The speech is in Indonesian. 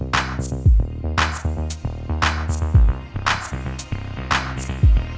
yang dihasilkan oleh amiri